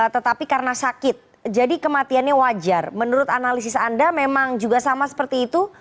tetapi karena sakit jadi kematiannya wajar menurut analisis anda memang juga sama seperti itu